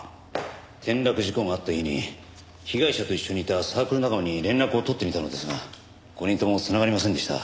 転落事故があった日に被害者と一緒にいたサークル仲間に連絡を取ってみたのですが５人とも繋がりませんでした。